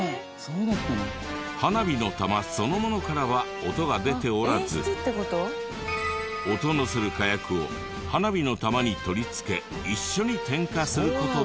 花火の玉そのものからは音は出ておらず音のする火薬を花火の玉に取り付け一緒に点火する事で。